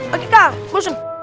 aki kak oh sun